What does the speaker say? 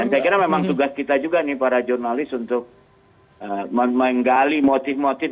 saya kira memang tugas kita juga nih para jurnalis untuk menggali motif motif